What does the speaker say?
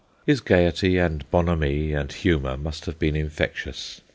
His gaiety and bonhomie and humour must have been infectious.